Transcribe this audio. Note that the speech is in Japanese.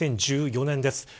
２０１４年です。